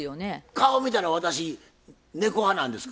顔見たら私猫派なんですか？